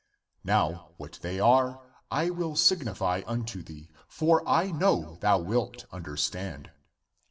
Now what they are I will signify unto thee, for I know thou wilt understand.